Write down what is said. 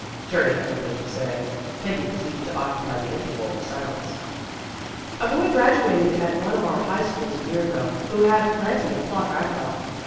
Jerry had nothing to say. Peggy proceeded to occupy the interval of silence. "A boy graduated at one of our high schools a year ago, who had plenty of pluck, I thought.